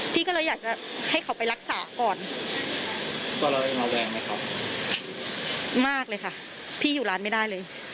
พี่ก็เลยอยากจะให้เขาไปรักษาก่อนมากเลยค่ะพี่อยู่ร้านไม่ได้เลย